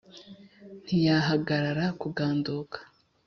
Ntiyahagarara kuganduka.